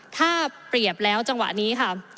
ถ้าเปรียบแล้วจังหวะนี้ค่ะ